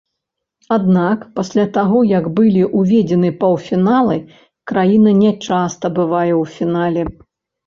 Аднак пасля таго як былі ўведзены паўфіналы, краіна нячаста бывае ў фінале.